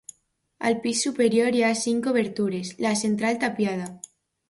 Al pis superior hi ha cinc obertures, la central tapiada.